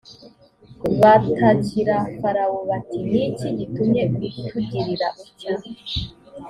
batakira farawo bati ni iki gitumye utugirira utya